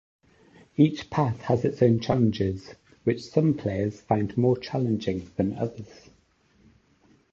Each path has its own challenges, which some players find more challenging than others.